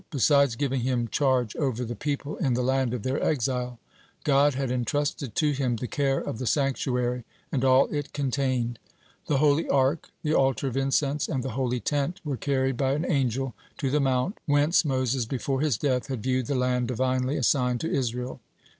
Besides giving him charge over the people in the land of their exile, God had entrusted to him the care of the sanctuary and all it contained. (59) The holy Ark, the altar of incense, and the holy tent were carried by an angel to the mount whence Moses before his death had viewed the land divinely assigned to Israel.